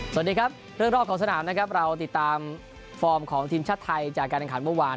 สวัสดีครับเรื่องรอบของสนามนะครับเราติดตามฟอร์มของทีมชาติไทยจากการแข่งขันเมื่อวาน